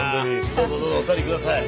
どうぞどうぞお座り下さい。